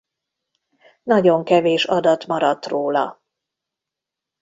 Nagyon kevés adat maradt róla.